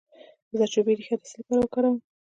د زردچوبې ریښه د څه لپاره وکاروم؟